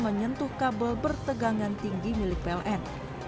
menyentuh kabel bertegangan tinggi milik pln